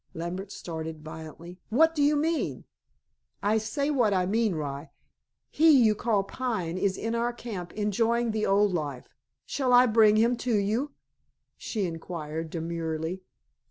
Lambert started violently. "What do you mean?" "I say what I mean, rye. He you call Pine is in our camp enjoying the old life. Shall I bring him to you?" she inquired demurely.